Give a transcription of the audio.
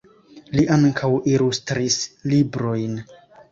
Li ankaŭ ilustris librojn.